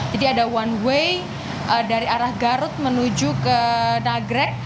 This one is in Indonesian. jadi ada one way dari arah garut menuju ke nagreg